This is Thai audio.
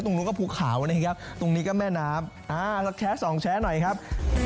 ตรงนู้นก็ภูเขานะครับตรงนี้ก็แม่น้ำอ่าเราแคะสองแชะหน่อยครับ